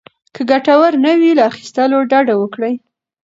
که ګټور نه وي، له اخيستلو ډډه وکړئ.